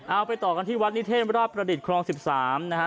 เอาไปต่อกันที่วัดนิเทศราชประดิษฐครอง๑๓นะฮะ